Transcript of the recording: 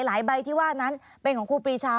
ใบที่ว่านั้นเป็นของครูปรีชา